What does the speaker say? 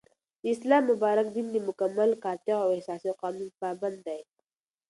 داسلام مبارك دين دمكمل ، قاطع او اساسي قانون پابند دى